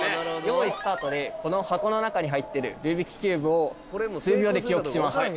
「よいスタート」でこの箱の中に入ってるルービックキューブを数秒で記憶します。